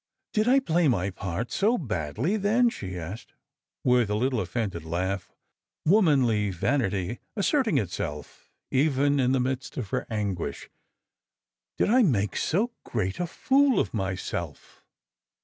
" Did I play my part so very badly, then ?" she asked, with a Httle offended laugh, womanly vanity asserting itself even in the midst of her anguish. " Did I make so great a fool of myself?"